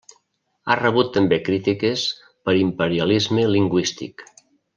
Ha rebut també crítiques per imperialisme lingüístic.